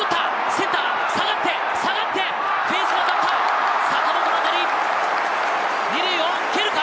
センター下がってフェンスに当たった坂本の当たり、２塁を蹴るか！